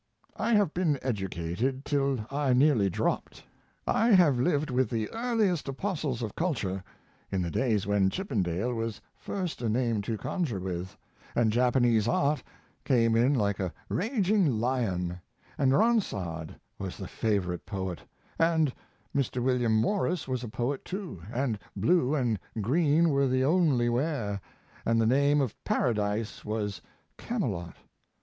I have been educated till I nearly dropped; I have lived with the earliest apostles of culture, in the days when Chippendale was first a name to conjure with, and Japanese art came in like a raging lion, and Ronsard was the favorite poet, and Mr. William Morris was a poet, too, and blue and green were the only wear, and the name of Paradise was Camelot.